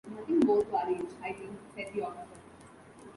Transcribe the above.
‘Nothing more to arrange, I think,’ said the officer.